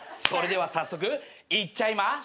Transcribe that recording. それでは早速いっちゃいま。